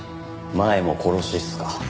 前も殺しっすか。